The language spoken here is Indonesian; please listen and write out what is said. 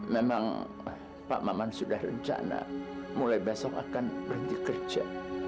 memang pak maman sudah rencana mulai besok akan berhenti kerja